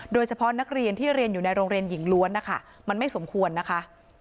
โดยเฉพาะนักเรียนที่เรียนอยู่ในโรงเรียนหญิงล้วนนะคะมันไม่สมควรนะคะ